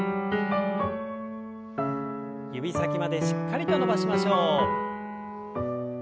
指先までしっかりと伸ばしましょう。